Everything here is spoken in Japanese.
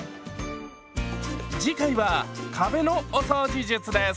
次回は壁のお掃除術です。